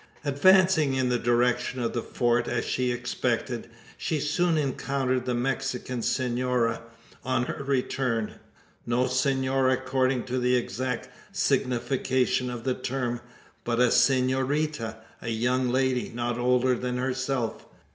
Advancing in the direction of the Fort, as she expected, she soon encountered the Mexican senora on her return; no senora according to the exact signification of the term, but a senorita a young lady, not older than herself.